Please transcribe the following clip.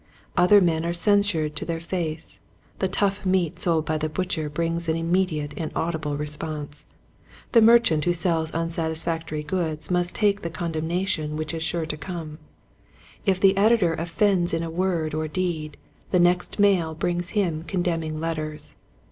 Other men are censured to their face. The tough meat sold by the butcher brings an immediate and audible response. The merchant who sells unsatisfactory goods must take the condemnation which is sure TO Quiet Hints to Growing Preachers. to come. If the editor offends in word or deed, the next mail brings him condemn ing letters.